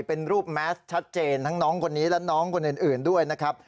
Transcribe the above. เป็นรูปแมสชัดเจนทั้งน้องคนนี้และน้องคนอื่นด้วยนะครับ